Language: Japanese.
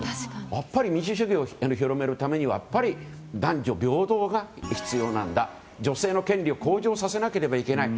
民主主義を広めるためにはやっぱり男女平等が必要なんだ、女性の権利を向上させなければいけない。